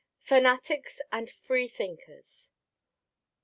FANATICS AND FREE THINKERS.